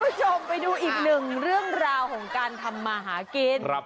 คุณผู้ชมไปดูอีกหนึ่งเรื่องราวของการทำมาหากิน